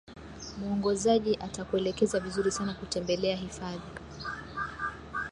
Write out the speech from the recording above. muongozaji atakuelekeza vizuri sana kutembelea hifadhi